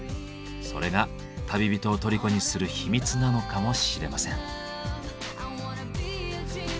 それが旅人を虜にする秘密なのかもしれません。